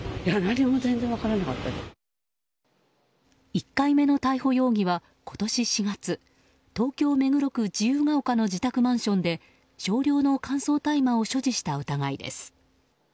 １回目の逮捕容疑は今年４月東京・目黒区自由が丘の自宅マンションで少量の乾燥大麻を所持した疑いです。